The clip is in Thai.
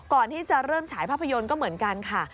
ก่อนที่จะเริ่มฉายภาพยนตร์ก็เหมือนกันค่ะ